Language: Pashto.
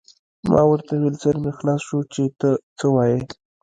ما ورته وویل: سر مې خلاص شو، چې ته څه وایې.